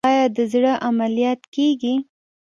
آیا د زړه عملیات کیږي؟